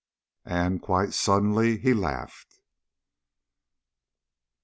And, quite suddenly, he laughed.